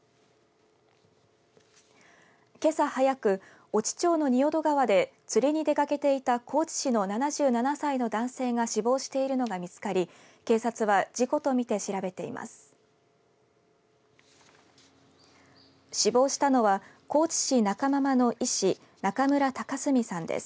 けさ早く越知町の仁淀川で釣りに出かけていた高知市の７７歳の男性が死亡しているのが見つかり警察は事故とみて調べています。